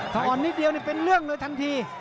ถ้าอ่อนนิดเดียวนี่เป็นเรื่องเลยทันที